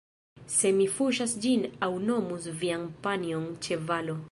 Se mi fuŝas ĝin aŭ nomus vian panjon ĉevalo